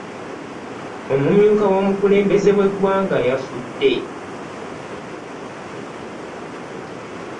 Omumyuka w'omukulembeze w'eggwanga yafudde.